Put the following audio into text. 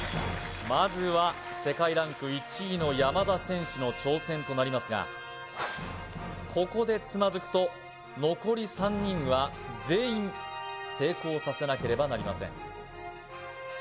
まずは世界ランク１位の山田選手の挑戦となりますがここでつまずくと残り３人は全員成功させなければなりません